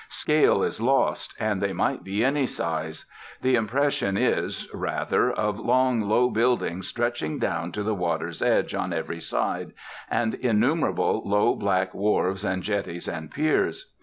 Scale is lost, and they might be any size. The impression is, rather, of long, low buildings stretching down to the water's edge on every side, and innumerable low black wharves and jetties and piers.